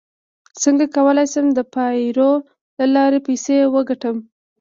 څنګه کولی شم د فایور له لارې پیسې وګټم